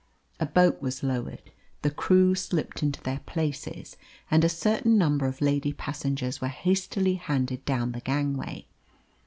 A boat was lowered, the crew slipped into their places, and a certain number of lady passengers were hastily handed down the gangway.